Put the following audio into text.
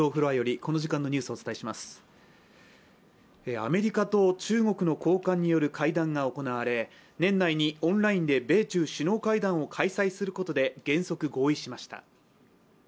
アメリカと中国の高官による会談行われ年内にオンラインで米中首脳会談を開催することで原則合意しました。